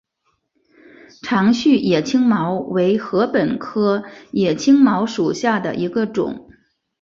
长序野青茅为禾本科野青茅属下的一个种。